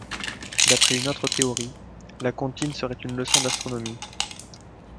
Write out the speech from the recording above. D'après une autre théorie, la comptine serait une leçon d'astronomie.